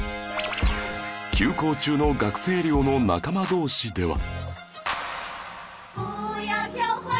休校中の学生寮の仲間同士では